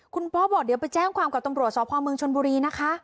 คุณพ่อบอกเดี๋ยวไปแจ้งความกับตรงรับสอบภาคเมืองชนบุรีนะคะ